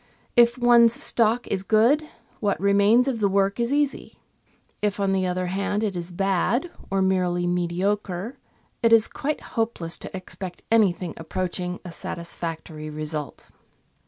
If one's stock is good, what remains of the work is easy ; if, on the other hand, it is bad or merely mediocre, it is quite hopeless to expect any thing approaching a satisfactory result.